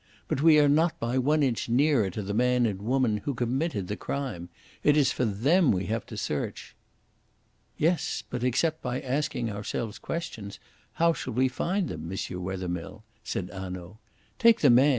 But we are not by one inch nearer to the man and woman who committed the crime. It is for them we have to search." "Yes; but except by asking ourselves questions, how shall we find them, M. Wethermill?" said Hanaud. "Take the man!